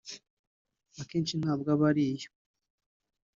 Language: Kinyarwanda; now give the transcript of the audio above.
akenshi ntabwo aba ari yo